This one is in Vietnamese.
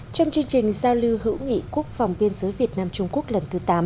trong chương trình giao lưu hữu nghị quốc phòng biên giới việt nam trung quốc lần thứ tám